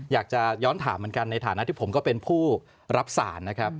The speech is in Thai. อยากจะย้อนถามเหมือนกันในฐานะที่ผมก็เป็นผู้รับสารนะครับ